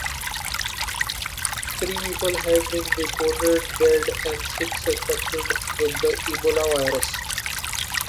Three people have been reported dead and six suspected with the Ebola virus.